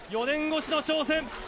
４年越しの挑戦。